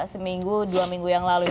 seminggu dua minggu yang lalu